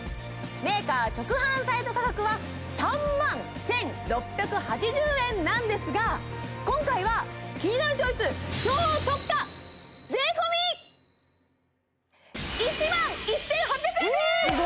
メーカー直販サイト価格は３万１６８０円なんですが今回は「キニナルチョイス」超特価税込１万１８００円です